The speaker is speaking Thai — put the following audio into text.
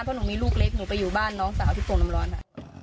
เพราะหนูมีลูกเล็กหนูไปอยู่บ้านน้องสาวที่โป่งน้ำร้อนค่ะ